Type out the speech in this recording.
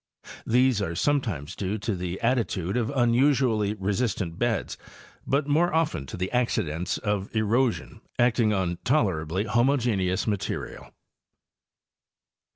These are sometimes due to the attitude of unusually resistant beds, but more often to the accidents of erosion acting on tolerably homogeneous material.